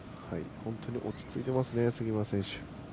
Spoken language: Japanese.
本当に落ち着いていますね杉村選手。